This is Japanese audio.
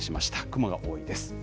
雲が多いです。